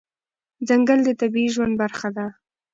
ځنګل د طبیعي ژوند برخه ده.